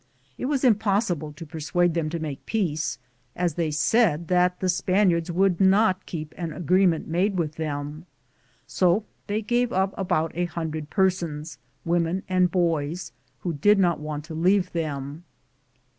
It was im possible to persuade them to make peace, as they said that the Spaniards would not keep an agreement made with them. So they gave up about a hundred persons, wom en and boys, who did not want to leave them.